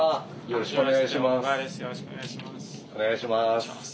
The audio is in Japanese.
よろしくお願いします。